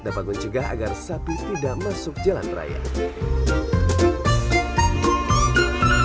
dapat mencegah agar sapi tidak masuk jalan raya anak perempuan ini menangis saat sampan